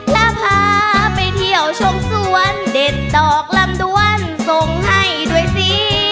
น่าพาไปเที่ยวชมสวนเด็ดตอกลำดวนส่งให้ด้วยสิ